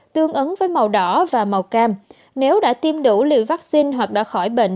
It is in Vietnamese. tương ứng với màu đỏ và màu cam nếu đã tiêm đủ liều vaccine hoặc đã khỏi bệnh